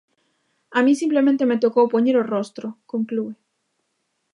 A min simplemente me tocou poñer o rostro, conclúe.